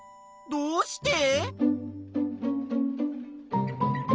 どうして？